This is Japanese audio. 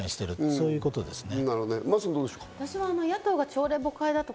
そういうことですね。